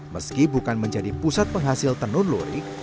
meski bukan menjadi pusat penghasil tenun lurik